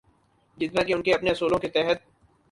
جتنا کہ ان کے اپنے اصولوں کے تحت۔